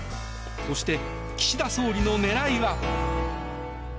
そして、岸田総理の狙いは？